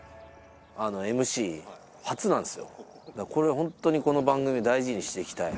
ホントだからこれをホントにこの番組大事にしていきたい